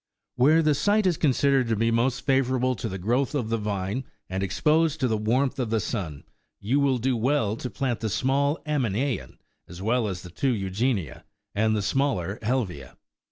"Where the site is considered to be most favourable to the growth of the vine, and exposed to the warmth of the sun, you will do well to plant the small24 Aminean, as well as the two eugenia,25 and the smaller helvia.